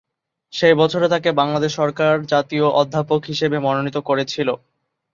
সে বছরে তাঁকে বাংলাদেশ সরকার জাতীয় অধ্যাপক হিসেবে মনোনীত করেছিল।